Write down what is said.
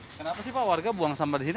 kenapa sih pak warga buang sampah di sini